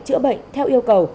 chữa bệnh theo yêu cầu